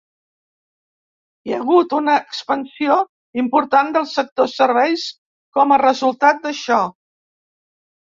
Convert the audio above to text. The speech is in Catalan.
Hi ha hagut una expansió important del sector serveis com a resultat d'això.